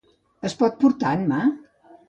Es pot portar en mà?